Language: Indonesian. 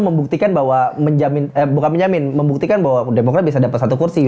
membuktikan bahwa bukan menjamin membuktikan bahwa demokrat bisa dapat satu kursi